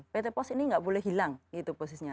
pt pos ini nggak boleh hilang gitu posisinya